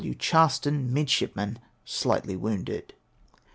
W. Charston, Midshipman, slightly wounded.